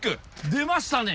出ましたね。